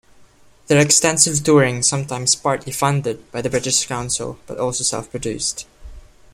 Their extensive touring sometimes partly funded by the British Council but also self produced.